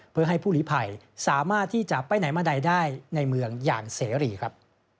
เพื่อให้ผู้หลีภัยสามารถที่จะไปไหนมาใดได้ในเมืองอย่างเสรีครับ